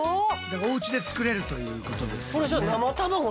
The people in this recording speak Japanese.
おうちで作れるということですね。